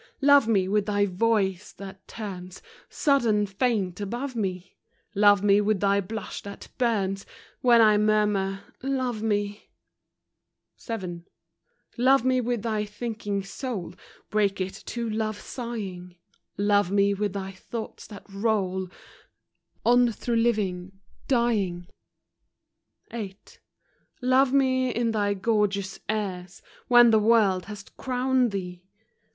Love me with thy voice, that turns Sudden faint above me ; Love me with thy blush that burns When I murmur " Love me !" A MAN'S REQUIREMENTS. 49 VII. Love me with thy thinking soul — Break it to love sighing: Love me with thy thoughts that roll On through living — dying. VIII. Love me in thy gorgeous airs, When the world has crowned thee